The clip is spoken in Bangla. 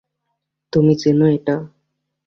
তুমি চেনো এটা?